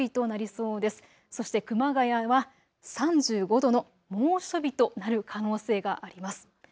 そして熊谷は３５度の猛暑日となる可能性があります。